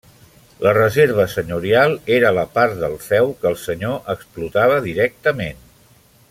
La reserva senyorial era la part del feu que el senyor explotava directament.